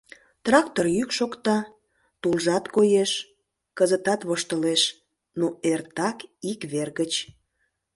«Трактор йӱк шокта, тулжат коеш, — кызытат воштылеш, — но эртак ик вер гыч.